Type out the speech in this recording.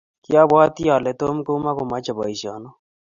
kiabwatii ale Tom komokomeche boisiono.